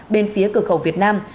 bên phía cửa khẩu việt nam